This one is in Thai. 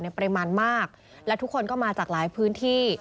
ปริมาณมากและทุกคนก็มาจากหลายพื้นที่